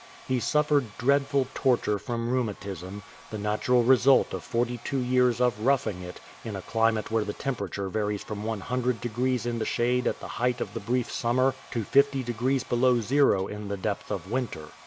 He suffered dreadful torture from rheumatism, the natural result of forty two years of " roughing it " in a climate where the temperature varies from 100 degrees in the shade at the height of the brief summer to 50 degrees below zero in the depth of winter.